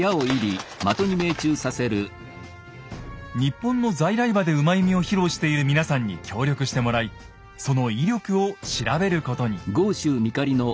日本の在来馬で騎射を披露している皆さんに協力してもらいその威力を調べることに。